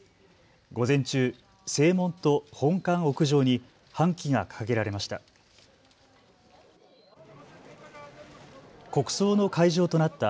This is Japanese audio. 午前中、正門と本館屋上に半旗が掲げられました。